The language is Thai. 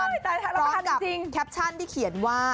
พร้อมกับแคปชั่นที่เขียนว่า